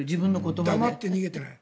黙って逃げていない。